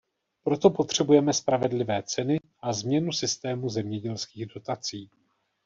Proto potřebujeme spravedlivé ceny a změnu systému zemědělských dotací.